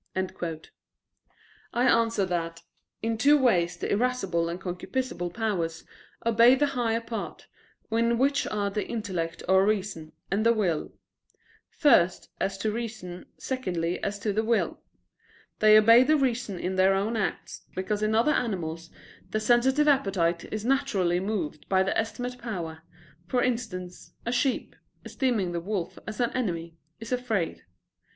I answer that, In two ways the irascible and concupiscible powers obey the higher part, in which are the intellect or reason, and the will; first, as to reason, secondly as to the will. They obey the reason in their own acts, because in other animals the sensitive appetite is naturally moved by the estimative power; for instance, a sheep, esteeming the wolf as an enemy, is afraid.